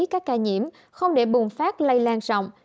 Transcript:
các ca nhiễm không để bùng phát lây lan rộng